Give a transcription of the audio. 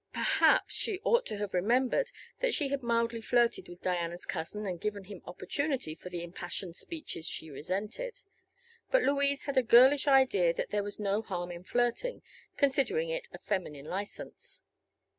Perhaps she ought to have remembered that she had mildly flirted with Diana's cousin and given him opportunity for the impassioned speeches she resented; but Louise had a girlish idea that there was no harm in flirting, considering it a feminine license.